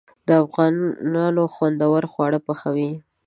افغانان خوندور خواړه پخوي.